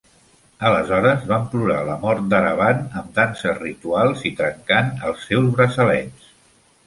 Aleshores, van plorar la mort d'Aravan amb danses rituals i trencant els seus braçalets.